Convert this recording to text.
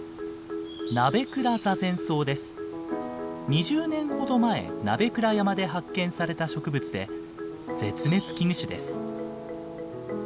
２０年ほど前鍋倉山で発見された植物で絶滅危惧種です。